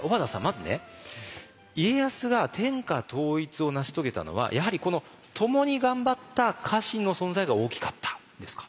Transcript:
まずね家康が天下統一を成し遂げたのはやはりこの「ともに」頑張った家臣の存在が大きかったですか？